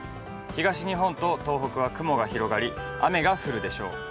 東日本と東北は雲が広がり雨が降るでしょう。